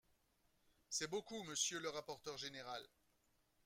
C’est beaucoup, monsieur le rapporteur général.